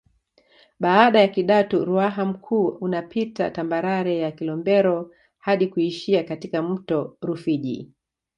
Baada ya Kidatu Ruaha Mkuu unapita tambarare ya Kilombero hadi kuishia katika mto Rufiji